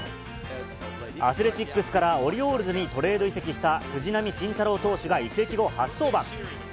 アスレチックスからオリオールズにトレード移籍した藤浪晋太郎投手が移籍後初登板。